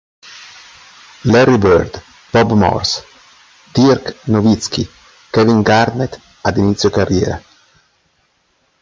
Larry Bird, Bob Morse, Dirk Nowitzki, Kevin Garnett ad inizio carriera.